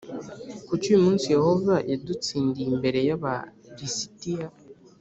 kuki uyu munsi Yehova yadutsindiye imbere y Aba lisitiya